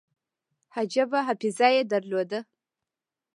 عجیبه حافظه یې درلوده.